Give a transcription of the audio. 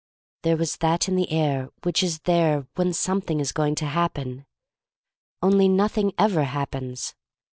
There was that in the air which is there when something is going to happen. Only nothing ever hap pens.